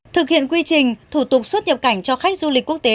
thực hiện quy trình thủ tục xuất nhập cảnh cho khách du lịch quốc tế